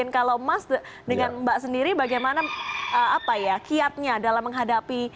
kalau mas dengan mbak sendiri bagaimana kiatnya dalam menghadapi